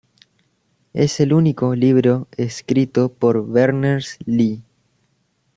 Es el único libro escrito por Berners-Lee.